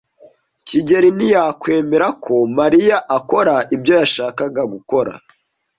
kigeli ntiyakwemera ko Mariya akora ibyo yashakaga gukora.